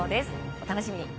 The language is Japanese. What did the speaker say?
お楽しみに。